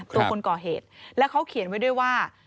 คนก่อเหตุแล้วเขาเขียนไว้ด้วยว่า